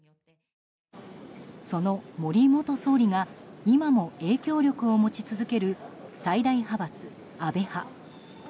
その森元総理が今も影響力を持ち続ける最大派閥・安倍派。